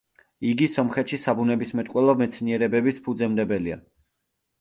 იგი სომხეთში საბუნებისმეტყველო მეცნიერებების ფუძემდებელია.